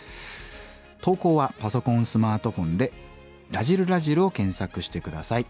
投稿はパソコンスマートフォンで「らじる★らじる」を検索して下さい。